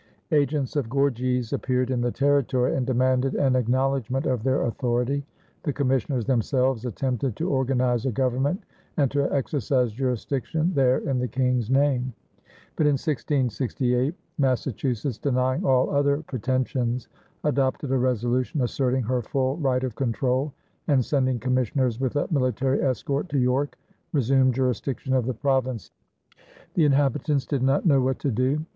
Agents of Gorges appeared in the territory and demanded an acknowledgment of their authority; the commissioners themselves attempted to organize a government and to exercise jurisdiction there in the King's name; but in 1668 Massachusetts, denying all other pretensions, adopted a resolution asserting her full right of control, and, sending commissioners with a military escort to York, resumed jurisdiction of the province. The inhabitants did not know what to do.